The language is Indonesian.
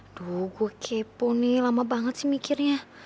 aduh gue kepo nih lama banget sih mikirnya